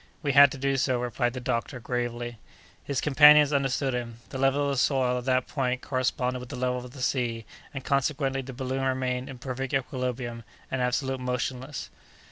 "We had to do so," replied the doctor, gravely. His companions understood him. The level of the soil at that point corresponded with the level of the sea, and, consequently, the balloon remained in perfect equilibrium, and absolutely motionless.